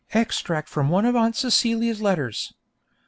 '_ (Extract from one of Aunt Celia's letters.)